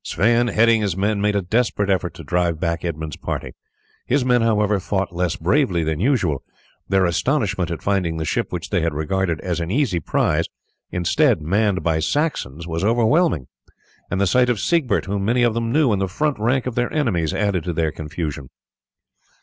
Sweyn, heading his men, made a desperate effort to drive back Edmund's party. His men, however, fought less bravely than usual. Their astonishment at finding the ship which they had regarded as an easy prize manned by Saxons was overwhelming, and the sight of Siegbert, whom many of them knew, in the front rank of their enemies added to their confusion.